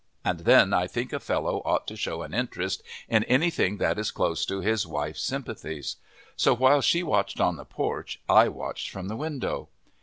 And then I think a fellow ought to show an interest in anything that is close to his wife's sympathies. So while she watched on the porch, I watched from the window.